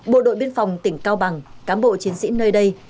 bộ đội biên phòng tỉnh cao bằng cán bộ chiến sĩ nơi đây